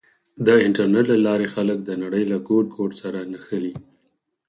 د انټرنېټ له لارې خلک د نړۍ له ګوټ ګوټ سره نښلي.